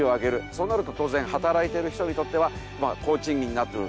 そうなると当然働いてる人にとっては高賃金になる。